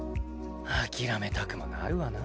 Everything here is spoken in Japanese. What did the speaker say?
諦めたくもなるわな。